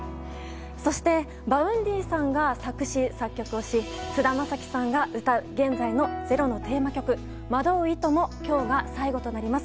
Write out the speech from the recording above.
そして、Ｖａｕｎｄｙさんが作詞・作曲をし菅田将暉さんが歌う現在の「ｚｅｒｏ」のテーマ曲「惑う糸」も今日が最後となります。